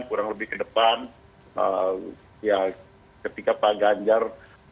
kurang lebih ke depan ya ketika pak ganjar